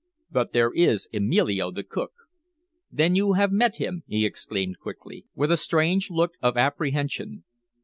"But there is Emilio, the cook?" "Then you have met him!" he exclaimed quickly, with a strange look of apprehension.